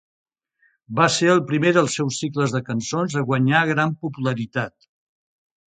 Va ser el primer dels seus cicles de cançons a guanyar gran popularitat.